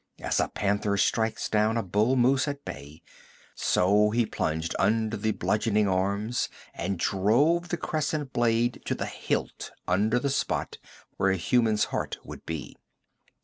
As a panther strikes down a bull moose at bay, so he plunged under the bludgeoning arms and drove the crescent blade to the hilt under the spot where a human's heart would be.